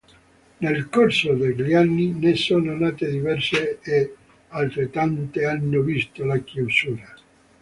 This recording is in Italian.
Nel corso degli anni ne sono nate diverse e altrettante hanno visto la chiusura.